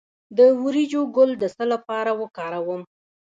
د وریجو ګل د څه لپاره وکاروم؟